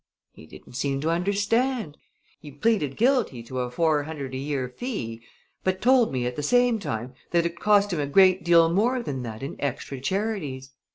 He didn't seem to understand. He pleaded guilty to a four hundred a year fee, but told me at the same time that it cost him a great deal more than that in extra charities.